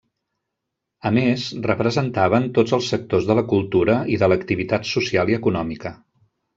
A més representaven tots els sectors de la cultura i de l'activitat social i econòmica.